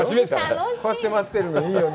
こうやって待ってるのいいよね。